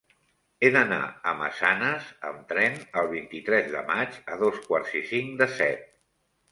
He d'anar a Massanes amb tren el vint-i-tres de maig a dos quarts i cinc de set.